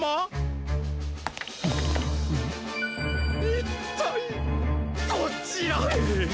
いったいどちらへ。